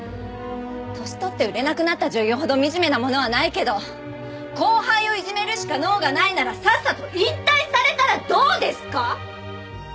年とって売れなくなった女優ほど惨めなものはないけど後輩をいじめるしか能がないならさっさと引退されたらどうですか！？